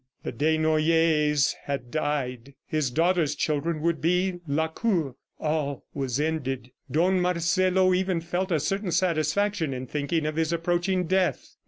The Desnoyers had died; his daughter's children would be Lacour. ... All was ended. Don Marcelo even felt a certain satisfaction in thinking of his approaching death.